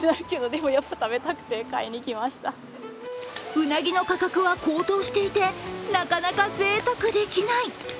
うなぎの価格は高騰していてなかなかぜいたくできない。